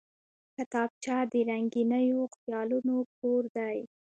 کتابچه د رنګینو خیالونو کور دی